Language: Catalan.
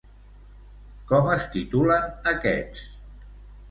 Com es titulen aquests?